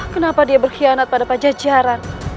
kenapa dia berkhianat pada pajajaran